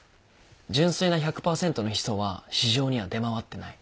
純粋な１００％のヒ素は市場には出回ってない。